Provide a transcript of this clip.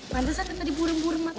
waduh sakit tadi burung burung mata